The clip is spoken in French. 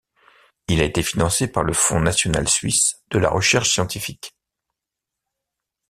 Il a été financé par le Fonds national suisse de la recherche scientifique.